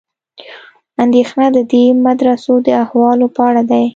اندېښنه د دې مدرسو د احوالو په اړه ده.